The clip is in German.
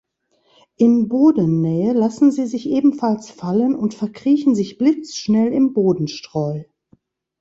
In Bodennähe lassen sie sich ebenfalls fallen und verkriechen sich blitzschnell im Bodenstreu.